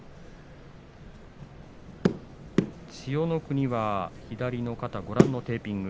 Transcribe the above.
千代の国は左の肩にご覧のテーピング。